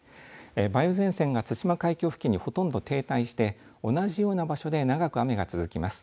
梅雨前線が対馬海峡付近にほとんど停滞して同じような場所で長く雨が続きます。